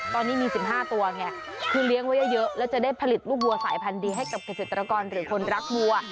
ตอนนี้มี๑๕ตัวไงคือเลี้ยงไว้เยอะแล้วจะได้ผลิตลูกวัวสายพันธุ์ดีให้กับเกษตรกรหรือคนรักวัว